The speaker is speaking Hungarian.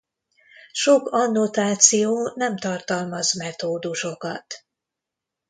Sok annotáció nem tartalmaz metódusokat.